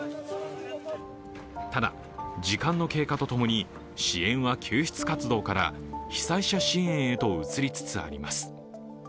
ただ、時間の経過とともに支援は救出活動から被災者支援へと移りつつあります。